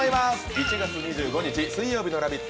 １月２５日水曜日の「ラヴィット！」